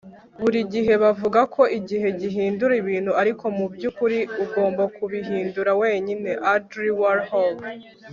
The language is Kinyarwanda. buri gihe bavuga ko igihe gihindura ibintu, ariko mu byukuri ugomba kubihindura wenyine. - andy warhol